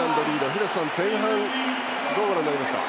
廣瀬さん、前半どうご覧になりましたか。